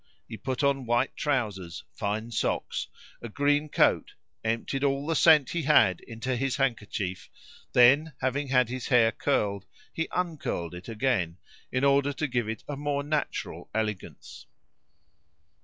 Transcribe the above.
He put on white trousers, fine socks, a green coat, emptied all the scent he had into his handkerchief, then having had his hair curled, he uncurled it again, in order to give it a more natural elegance.